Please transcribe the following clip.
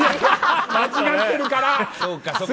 間違ってるから！